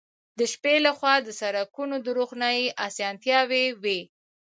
د شپې له خوا د سړکونو د روښنايي اسانتیاوې وې